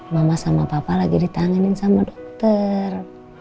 mama sama papa lagi ditanganin sama dokter